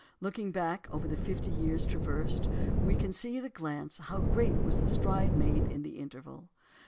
Looking back over the fifty years traversed, we can see at a glance how great was the stride made in the interval.